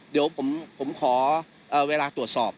เดี๋ยวผมขอเวลาตรวจสอบ